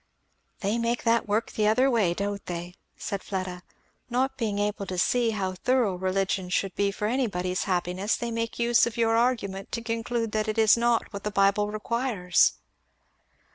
"They make that work the other way, don't they?" said Fleda. "Not being able to see how thorough religion should be for anybody's happiness, they make use of your argument to conclude that it is not what the Bible requires.